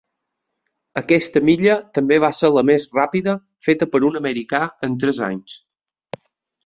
Aquesta milla també va ser la més ràpida feta per un americà en tres anys.